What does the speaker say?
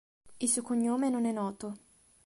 Il suo cognome non è noto.